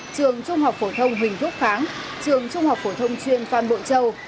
trường trung học phổ thông huỳnh thúc kháng trường trung học phổ thông chuyên phan bộ châu